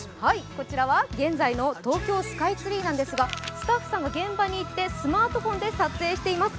こちらは現在の東京スカイツリーなんですがスタッフさんが現場に行ってスマートフォンで撮影しています。